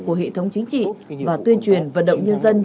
của hệ thống chính trị và tuyên truyền vận động nhân dân